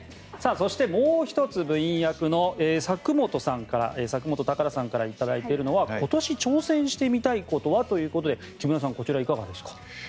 そして、もう１つ部員役の佐久本宝さんから頂いているのは今年挑戦してみたいことは？ということで木村さん、こちらいかがですか。